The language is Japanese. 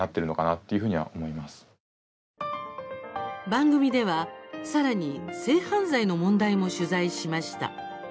番組では、さらに性犯罪の問題も取材しました。